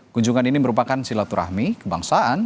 kunjungan ini merupakan silaturahmi kebangsaan